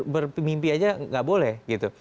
bermimpi aja nggak boleh gitu